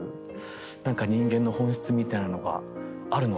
何か人間の本質みたいなのがあるのかなっていう。